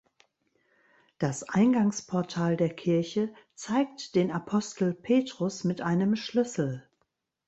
Das Eingangsportal der Kirche zeigt den Apostel Petrus mit einem Schlüssel.